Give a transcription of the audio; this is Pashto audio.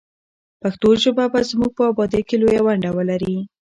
پښتو ژبه به زموږ په ابادۍ کې لویه ونډه ولري.